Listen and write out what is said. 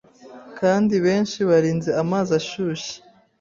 Kandi benshi barinze amazi ashyushye